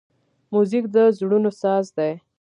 موزیک د زړونو ساز دی.